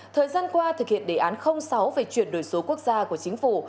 thời gian qua thực hiện đề án sáu về chuyển đổi số quốc gia của chính phủ